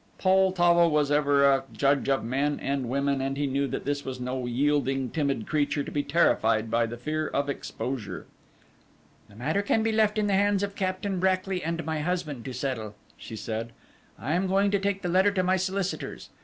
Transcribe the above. Poltavo was ever a judge of men and women, and he knew that this was no yielding, timid creature to be terrified by the fear of exposure. "The matter can be left in the hands of Captain Brackly and my husband to settle," she said. "I am going to take the letter to my solicitors.